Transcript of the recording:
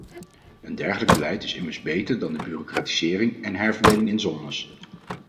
Een dergelijk beleid is immers beter dan de bureaucratisering en herverdeling in zones.